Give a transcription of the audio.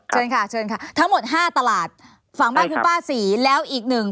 เชิญค่ะเชิญค่ะทั้งหมดห้าตลาดฝั่งบ้านคุณป้าศรีแล้วอีกหนึ่ง